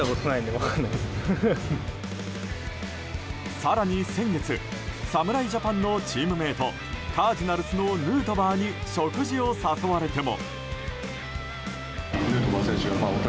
更に先月侍ジャパンのチームメートカージナルスのヌートバーに食事を誘われても。